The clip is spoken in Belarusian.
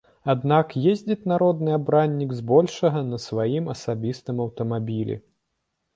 Аднак ездзіць народны абраннік збольшага на сваім асабістым аўтамабілі.